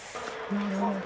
なるほど。